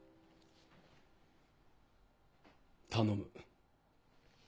頼む。